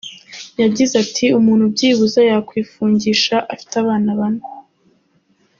Yagize ati «umuntu byibuze yakwifungisha afite abana bane.